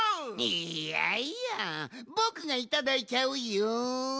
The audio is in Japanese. いやいやぼくがいただいちゃうよん！